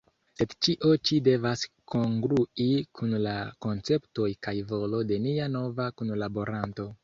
Sed ĉio ĉi devas kongrui kun la konceptoj kaj volo de nia nova kunlaboranto.